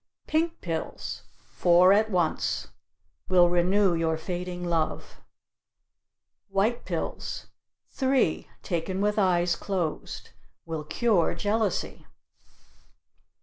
Pink pills four at once. Will renew your fading love. White pills three, taken with eyes closed. Will cure jealousy.